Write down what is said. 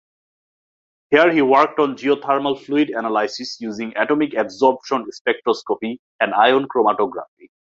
Here he worked on geothermal fluid analysis using atomic absorption spectroscopy and ion chromatography.